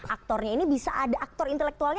aktornya ini bisa ada aktor intelektualnya